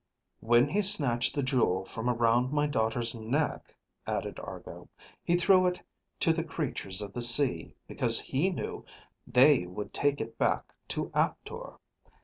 "When he snatched the jewel from around my daughter's neck," added Argo, "he threw it to the creatures of the sea because he knew they would take it back to Aptor.